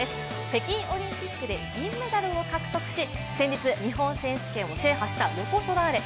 北京オリンピックで銀メダルを獲得し、先日、日本選手権を制覇したロコ・ソラーレ。